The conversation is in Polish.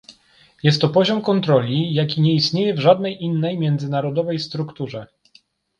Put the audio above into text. Jest to poziom kontroli, jaki nie istnieje w żadnej innej międzynarodowej strukturze